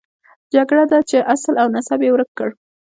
جګړه ده چې اصل او نسب یې ورک کړ.